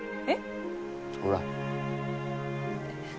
ほら。